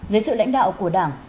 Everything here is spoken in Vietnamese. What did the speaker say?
dưới sự lãnh đạo của đảng